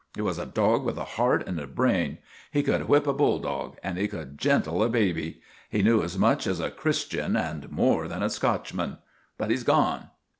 He was a dog with a heart and a brain. He could \vhip a bulldog and he could gentle a baby. He knew as much as a Christian and more than a Scotchman. But he 's gone.